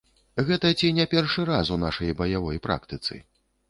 Гэта ці не першы раз у нашай баявой практыцы.